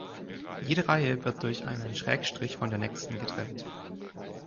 Jede Reihe wird durch einen Schrägstrich von der nächsten getrennt.